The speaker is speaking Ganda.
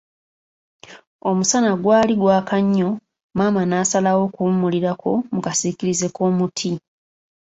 Omusana gw'ali gwaka nnyo maama n'asalawo okuwumulirako mu kasiikirize k'omuti.